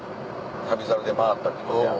『旅猿』で回ったみたいな。